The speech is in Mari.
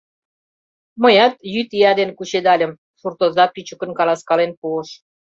— Мыят йӱд ия дене кучедальым, — суртоза кӱчыкын каласкален пуыш.